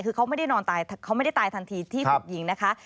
คือเขาไม่ได้ตายทันทีที่หลบหญิงนะคะ